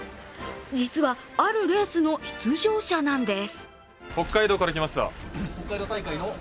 実は、あるレースの出場者なんです